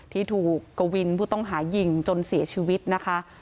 ที่ถูกกวินผู้ต้องหายิงจนเสียชีวิตนะคะ